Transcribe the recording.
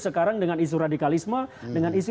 sekarang dengan isu radikalisme dengan isu